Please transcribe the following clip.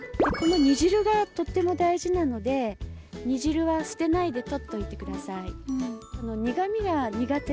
この煮汁がとっても大事なので煮汁は捨てないで取っておいてください。